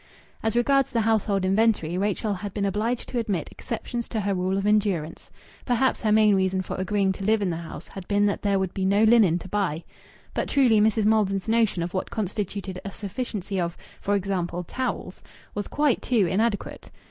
As regards the household inventory, Rachel had been obliged to admit exceptions to her rule of endurance. Perhaps her main reason for agreeing to live in the house had been that there would be no linen to buy. But truly Mrs. Maldon's notion of what constituted a sufficiency of for example towels, was quite too inadequate.